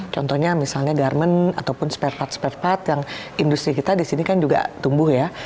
contohnya misalnya garmen ataupun spare part spare part yang industri kita di sini kan juga tumbuh ya